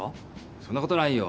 そんなことないよ。